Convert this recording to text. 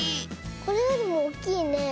これよりもおっきいね。